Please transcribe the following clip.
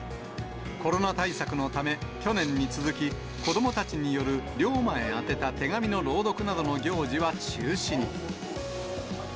コロナ対策のため、去年に続き、子どもたちによる龍馬へ宛てた手紙の朗読などの行事は中止に。